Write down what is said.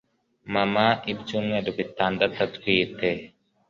mama ibyumweru bitandatu atwite